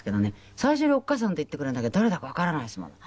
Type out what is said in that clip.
最初に「おっかさん」って言ってくれなきゃ誰だかわからないですもの。